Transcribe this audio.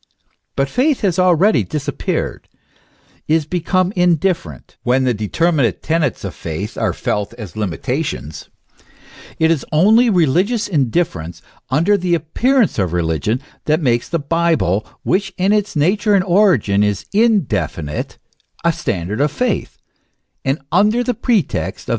But faith has already disappeared, is become indifferent, when the determinate tenets of faith are felt as limitations. It is only religious indifference under the appearance of religion that makes the Bible, which in its nature and origin is indefinite, a standard of faith, and under the pretext of believing only the essential, retains M 3 250 THE ESSENCE OF CHRISTIANITY.